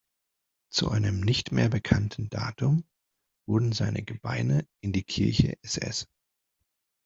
Zu einem nicht mehr bekannten Datum wurden seine Gebeine in die Kirche "Ss.